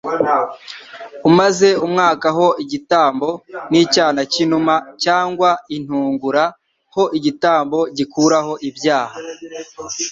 umaze umwaka ho igitambo n'icyana cy'inuma cyangwa inturugura ho igitambo gikuraho ibyaha